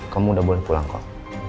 kamu udah boleh pulang kok